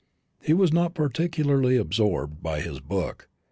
He was not particularly absorbed by his book.